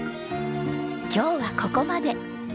今日はここまで。